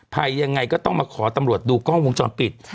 ภายอย่างไรก็ต้องมาขอตำรวจดูกล้องวงชนปิด